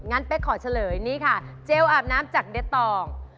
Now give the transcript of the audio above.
เป๊กขอเฉลยนี่ค่ะเจลอาบน้ำจากเดตตอง